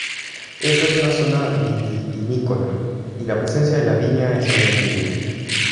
Esta es una zona vitivinícola, y la presencia de la viña es muy antigua.